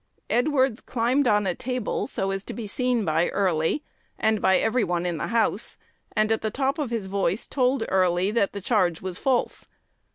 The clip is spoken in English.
Edwards climbed on a table, so as to be seen by Early, and by every one in the house, and at the top of his voice told Early that the charge was false.